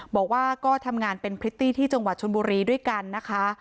บอกว่าก็ทำงานเป็นพริตตี้ที่จังหวัดชนบุรีด้วยกันนะคะ